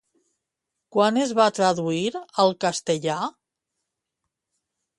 Quan es va traduir al castellà?